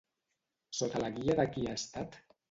Sota la guia de qui ha estat?